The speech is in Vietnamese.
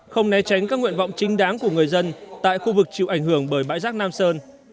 không né tránh các nguyện vọng chính đáng của người dân tại khu vực chịu ảnh hưởng bởi bãi giác nam sơn